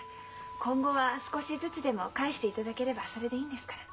今後は少しずつでも返していただければそれでいいんですから。